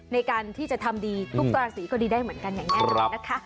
ในการที่จะทำดีทุกราศีก็ดีได้เหมือนกันอย่างแน่นอนนะคะ